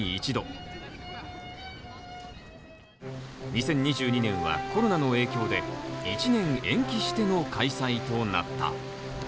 ２０２２年はコロナの影響で１年延期しての開催となった。